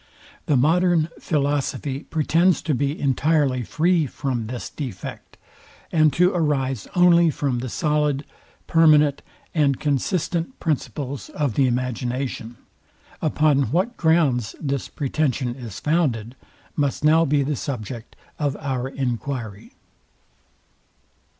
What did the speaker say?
The modern philosophy pretends to be entirely free from this defect, and to arise only from the solid, permanent, and consistent principles of the imagination. Upon what grounds this pretension is founded must now be the subject of our enquiry.